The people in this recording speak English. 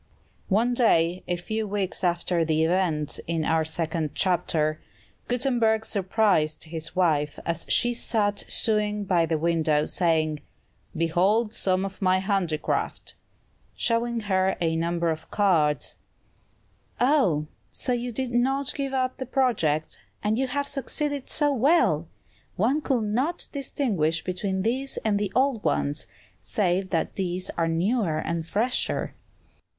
One day, a few weeks after the events in our second chapter, Gutenberg surprised his wife as she sat sewing by the window, saying, "Behold some of my handicraft!" showing her a number of cards. "Ah, and so you did not give up the project? and you have succeeded so well! One could not distinguish between these and the old ones, save that these are newer and fresher."